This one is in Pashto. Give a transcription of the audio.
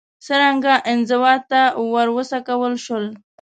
څرنګه انزوا ته وروڅکول شو